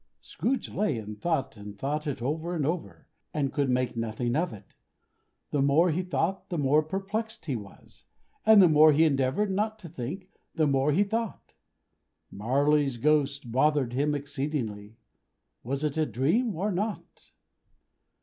Scrooge lay and thought and thought it over and over, and could make nothing of it. The more he thought, the more perplexed he was, and the more he endeavored not to think, the more he thought. Marley's ghost bothered him exceedingly. "Was it a dream or not?"